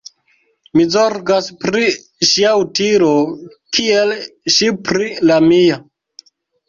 Mi zorgas pri ŝia utilo kiel ŝi pri la mia.